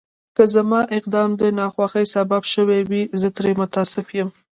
که زما اقدام د ناخوښۍ سبب شوی وي، زه ترې متأسف یم.